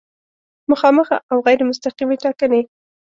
مخامخ او غیر مستقیمې ټاکنې